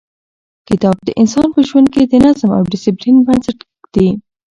کتاب د انسان په ژوند کې د نظم او ډیسپلین بنسټ ږدي.